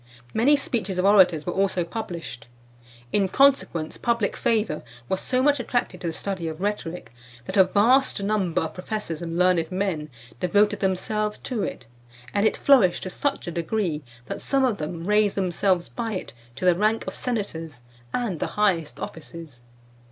Many speeches of orators were also published. In consequence, public favour was so much attracted to the study of rhetoric, that a vast number of professors and learned men devoted themselves to it; and it flourished to such a degree, that some of them raised themselves by it to the rank of senators and the highest offices.